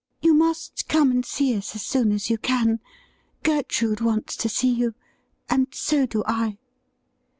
You must come and see us as soon as you can. Gei trude wants to see you, and so do I.'